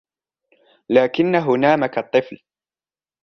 لكنه نام كالطفل.